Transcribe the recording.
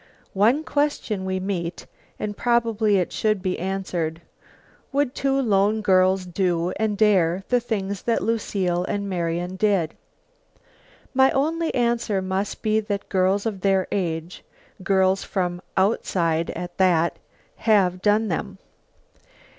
One question we meet, and probably it should be answered. Would two lone girls do and dare the things that Lucile and Marian did? My only answer must be that girls of their age girls from "outside" at that have done them.